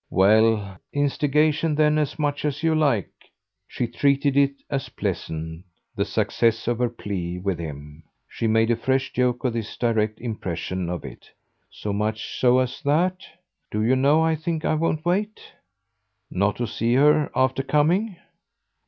"Well, instigation then, as much as you like." She treated it as pleasant, the success of her plea with him; she made a fresh joke of this direct impression of it. "So much so as that? Do you know I think I won't wait?" "Not to see her after coming?"